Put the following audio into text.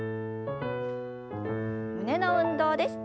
胸の運動です。